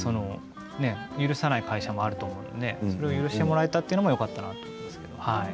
許さない会社もあると思うのでそれを許してもらえたのもよかったなと思います。